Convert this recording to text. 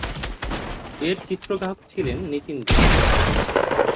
এর চিত্রগ্রাহক ছিলেন নিতিন বোস।